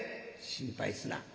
「心配すな。